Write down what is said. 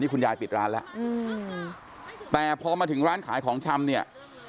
คุณยายปิดร้านแล้วแต่พอมาถึงร้านขายของชำเนี่ย